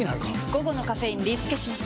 午後のカフェインリスケします！